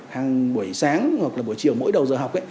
hàng buổi sáng hoặc là buổi chiều mỗi đầu giờ học